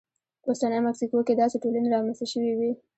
په اوسنۍ مکسیکو کې داسې ټولنې رامنځته شوې وې